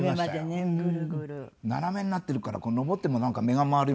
斜めになってるから上ってもなんか目が回るような感じ。